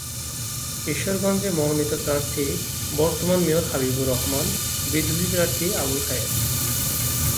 ঈশ্বরগঞ্জে মনোনীত প্রার্থী বর্তমান মেয়র হাবিবুর রহমান, বিদ্রোহী প্রার্থী আবুল খায়ের।